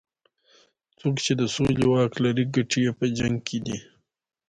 څوک چې د سولې واک لري ګټې یې په جنګ کې دي.